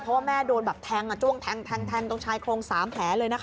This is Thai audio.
เพราะแม่โดนแทงจวงแทงตรงชายโครง๓แผลเลย